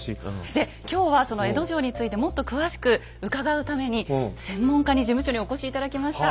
で今日はその江戸城についてもっと詳しく伺うために専門家に事務所にお越し頂きました。